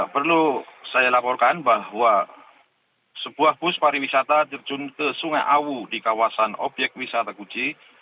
perlu saya laporkan bahwa sebuah bus pariwisata terjun ke sungai awu di kawasan obyek wisata guji